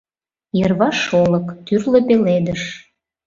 Йырваш олык, тӱрлӧ пеледыш.